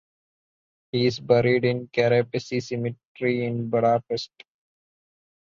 He is buried in Kerepesi Cemetery in Budapest.